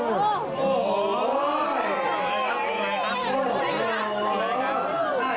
โอ้โหหลายครั้ง